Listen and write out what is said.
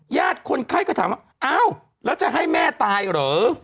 คนไข้ก็ถามว่าอ้าวแล้วจะให้แม่ตายเหรอ